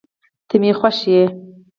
ته مي خوښ یې